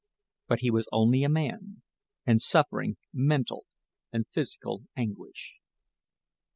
But he was only a man, and suffering mental and physical anguish.